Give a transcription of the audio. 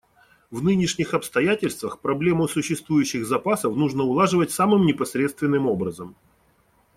В нынешних обстоятельствах проблему существующих запасов нужно улаживать самым непосредственным образом.